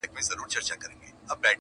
نه یوازي به دي دا احسان منمه-